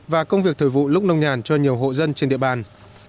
và công việc thời vụ lúc nông nhàn cho nhiều hộ dân trên địa bàn